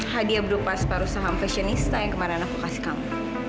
hadiah berupa separuh saham fashionista yang kemarin aku kasih kamu